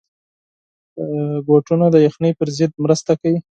بوټونه د یخنۍ پر ضد مرسته کوي.